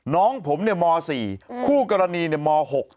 น้องผมเนี่ยมศคู่กรณีเนี่ยมศ๖